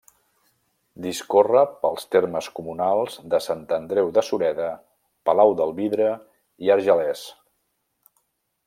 Discorre pels termes comunals de Sant Andreu de Sureda, Palau del Vidre i Argelers.